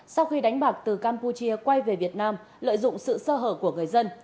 sau khi đánh bạc từ campuchia quay về việt nam lợi dụng sự sơ hở của người dân